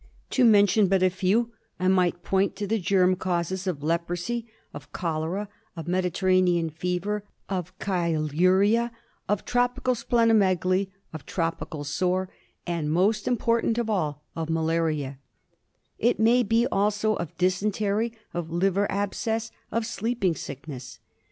To mention but a few, I might point to the germ causes of leprosy, of cholera, of Mediterranean fever, of chyluria, of tropical spleno megaly, of tropical sore, and, most important of all, of malaria ; it may be also of dysentery, of liver abscess, of sleeping sickness.